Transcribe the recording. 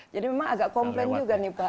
jadi memang agak komplain juga nih pak